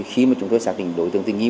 khi mà chúng tôi xác định đối tượng tình nghi